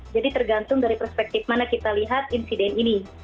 jadi tergantung dari perspektif mana kita lihat insiden ini